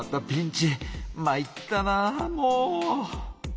まいったなぁもう！